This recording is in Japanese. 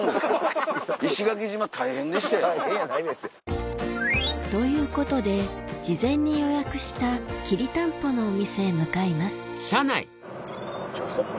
大変やないねんて。ということで事前に予約したきりたんぽのお店へ向かいますホンマ